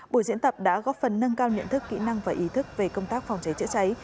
buổi diễn tập đã góp phần nâng cao nhận thức kỹ năng và ý thức về công tác phòng cháy chữa cháy